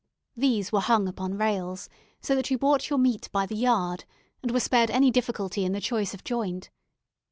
These were hung upon rails, so that you bought your meat by the yard, and were spared any difficulty in the choice of joint.